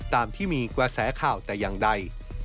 ตามที่มีกว่าแสข่าวแต่ยังใด